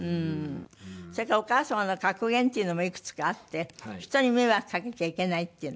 それからお母様の格言っていうのもいくつかあって人に迷惑かけちゃいけないっていうのは？